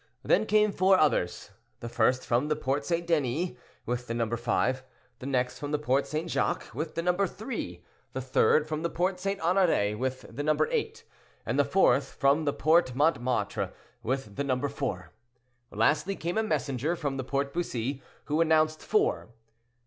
Then came four others. The first from the Porte St. Denis, with the number five; the next from the Porte St. Jacques, with the number three; the third from the Porte St. Honore, with the number eight; and the fourth from the Porte Montmartre, with the number four. Lastly came a messenger, from the Porte Bussy, who announced four.